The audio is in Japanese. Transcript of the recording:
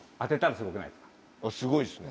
すごいっすね。